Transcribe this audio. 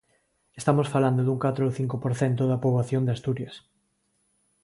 Estamos falando dun catro ou cinco por cento da poboación de Asturias.